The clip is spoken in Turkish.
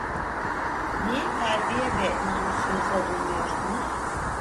Niye terbiye ve namusunuzla durmuyorsunuz?